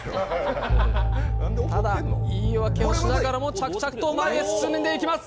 ただ、言い訳をしながらも着々と前へ進んでいきます。